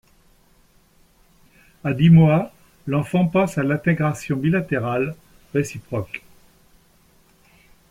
À dix mois, l'enfant passe à l'intégration bilatérale réciproque.